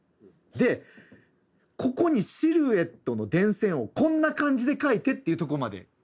でここにシルエットの電線をこんな感じで描いてっていうところまであります。